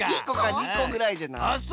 １こか２ぐらいじゃない？